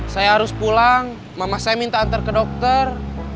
saya harus pulang mama saya minta antar ke dokter